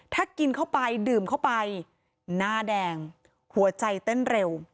ถ้ากินเข้าไปดื่มเข้าไปหน้าแดงหัวใจเต้นเร็ว